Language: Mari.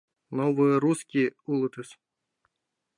— «Новые русские» улытыс.